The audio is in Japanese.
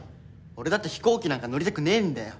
俺だって飛行機なんか乗りたくねえんだよ！